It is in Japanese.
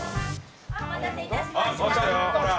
お待たせ致しました。